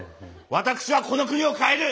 「私はこの国を変える！